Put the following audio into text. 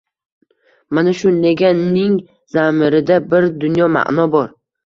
Mana shu «nega»ning zamirida bir dunyo ma’no bor.